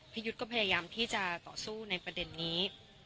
ยุทธ์ก็พยายามที่จะต่อสู้ในประเด็นนี้